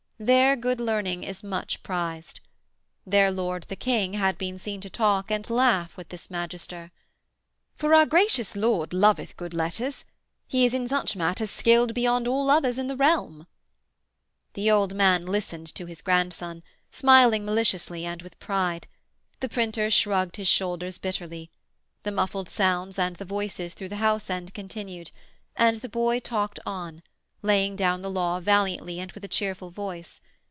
There good learning is much prized. Their Lord the King had been seen to talk and laugh with this magister. 'For our gracious lord loveth good letters. He is in such matters skilled beyond all others in the realm.' The old man listened to his grandson, smiling maliciously and with pride; the printer shrugged his shoulders bitterly; the muffled sounds and the voices through the house end continued, and the boy talked on, laying down the law valiantly and with a cheerful voice....